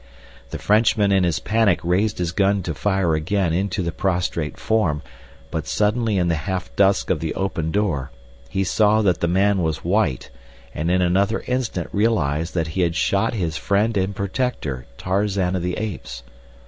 The Frenchman in his panic raised his gun to fire again into the prostrate form, but suddenly in the half dusk of the open door he saw that the man was white and in another instant realized that he had shot his friend and protector, Tarzan of the Apes.